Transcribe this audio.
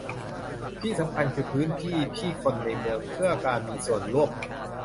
ที่สำคัญคือพื้นที่ที่คนในเมืองเพื่อการมีส่วนร่วม